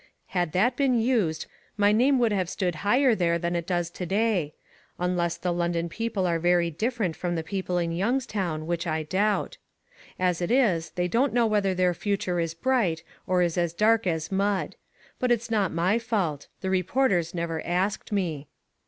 Had that been used my name would have stood higher there than it does to day unless the London people are very different from the people in Youngstown, which I doubt. As it is they don't know whether their future is bright or is as dark as mud. But it's not my fault. The reporters never asked me.